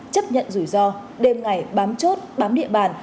chấp nhận rủi ro đêm ngày bám chốt bám địa bàn